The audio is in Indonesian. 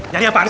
nyari apaan sih